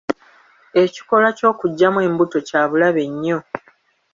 Ekikolwa ky'okuggyamu embuto kya bulabe nnyo